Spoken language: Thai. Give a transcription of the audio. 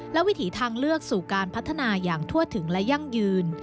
และวิถีทางเลือกสู่การพัฒนาอย่างทั่วถึงและยั่งยืน